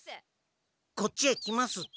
こっちへ来ますって。